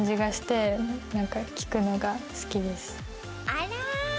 あら。